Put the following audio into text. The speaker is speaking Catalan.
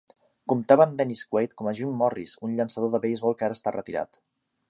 Comptava amb Dennis Quaid com a Jim Morris, un llançador de beisbol que ara està retirat.